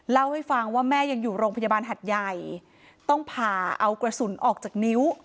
เล่าให้ฟังว่าแม่ยังอยู่โรงพยาบาลหัดใหญ่ต้องผ่าเอากระสุนออกจากนิ้ว